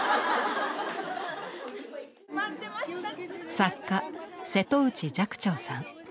作家・瀬戸内寂聴さん。